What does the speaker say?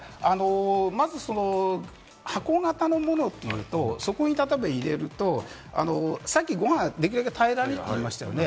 まず箱型のものというと、そこに例えば入れると、さっきご飯できるだけ平らにと言いましたよね、